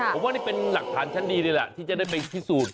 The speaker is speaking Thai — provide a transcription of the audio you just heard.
ผมว่าเป็นหลักฐานทั้งสันดีเลยอะที่จะได้พิสูจน์